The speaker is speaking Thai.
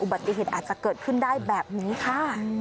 ปฏิเหตุอาจจะเกิดขึ้นได้แบบนี้ค่ะ